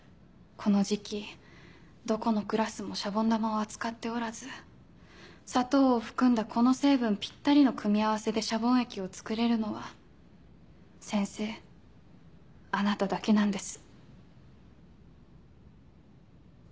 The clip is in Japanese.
この時期どこのクラスもシャボン玉は扱っておらず砂糖を含んだこの成分ピッタリの組み合わせでシャボン液を作れるのは先生あなただけなんです。